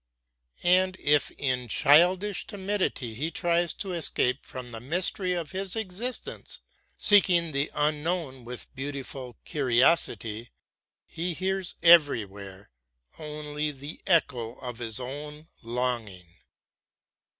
And if in childish timidity he tries to escape from the mystery of his existence, seeking the unknown with beautiful curiosity, he hears everywhere only the echo of his own longing.